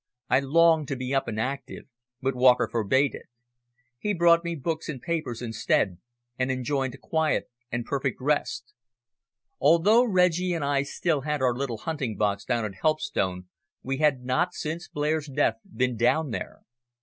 I longed to be up and active, but Walker forbade it. He brought me books and papers instead, and enjoined quiet and perfect rest. Although Reggie and I still had our little hunting box down at Helpstone we had not, since Blair's death, been down there.